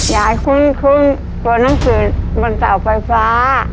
อย่าให้คุ้นตัวน้ำคืนมันต่อไฟฟ้า